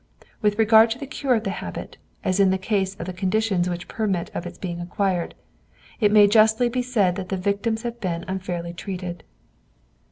With regard to the cure of the habit, as in the case of the conditions which permit of its being acquired, it may justly be said that the victims have been unfairly treated.